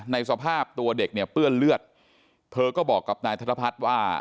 ในสภาพตัวเด็กเนี่ยเปื้อนเลือดเธอก็บอกกับนายธนพัฒน์ว่า